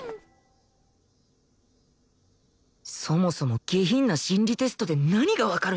そもそも下品な心理テストで何がわかるんだ！